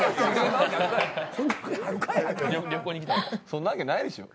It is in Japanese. そんなわけないでしょ。